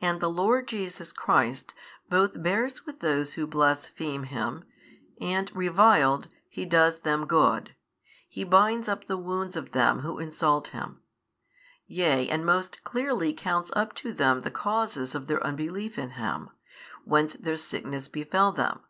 And the Lord Jesus Christ both bears with those who blaspheme Him and reviled He does them good, He binds up the wounds of them who insult Him: yea and most clearly counts up to them the causes of their unbelief in Him, whence their sickness befell them.